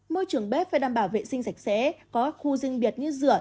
môi trường bếp phải đảm bảo vệ sinh sạch sẽ có khu riêng biệt như rửa